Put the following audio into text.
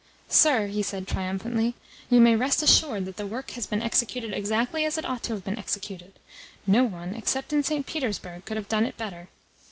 "Sir," he said triumphantly, "you may rest assured that the work has been executed exactly as it ought to have been executed. No one, except in St. Petersburg, could have done it better."